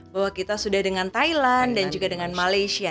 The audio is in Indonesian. bahwa kita sudah dengan thailand dan juga dengan malaysia